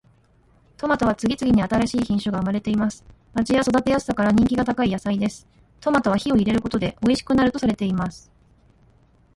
トマトは次々に新しい品種が生まれています。味や育てやすさから人気が高い野菜です。トマトは火を入れることでよりおいしくなるとされています。